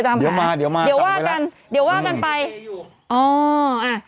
เดี๋ยวมาเดี๋ยวมาเดี๋ยวว่ากันเดี๋ยวว่ากันไปอ๋ออ่ะ